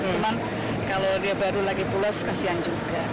cuma kalau dia baru lagi pulas kasian juga